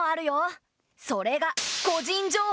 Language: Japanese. それが個人情報の流出。